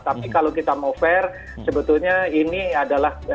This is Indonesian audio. tapi kalau kita mau fair sebetulnya ini adalah